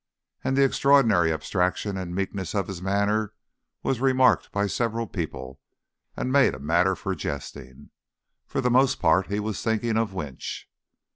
And the extraordinary abstraction and meekness of his manner was remarked by several people, and made a matter for jesting. For the most part he was thinking of Winch.